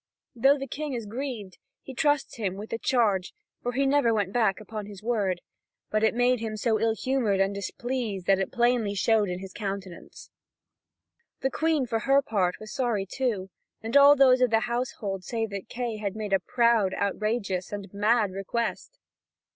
Though the King is grieved, he trusts him with the charge, for he never went back upon his word. But it made him so ill humoured and displeased that it plainly showed in his countenance. The Queen, for her part, was sorry too, and all those of the household say that Kay had made a proud, outrageous, and mad request.